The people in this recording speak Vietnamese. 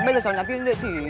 mỗi chân phòng chắc chứng nhận